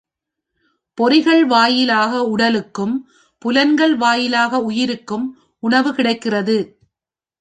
பொறிகள் வாயிலாக உடலுக்கும், புலன்கள் வாயிலாக உயிருக்கும் உணவு கிடைக்கிறது.